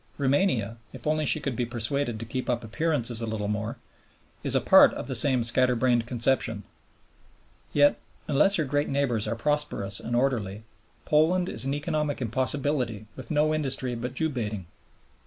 Roumania, if only she could be persuaded to keep up appearances a little more, is a part of the same scatter brained conception. Yet, unless her great neighbors are prosperous and orderly, Poland is an economic impossibility with no industry but Jew baiting.